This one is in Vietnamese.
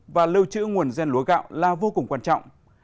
và lưu trữ nguồn gen lúa gạo là vô cùng quan trọng